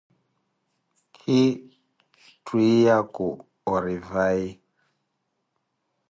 Khi twiya ku ori vayi?